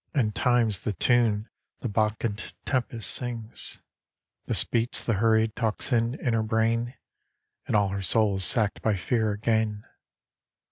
And times the tune the Bacchant Tem pest sings ; Thus beats the hurried tocsin in her brain, And all her soul is sacked by Fear again.